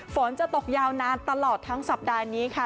ฝนจะตกยาวนานตลอดทั้งสัปดาห์นี้ค่ะ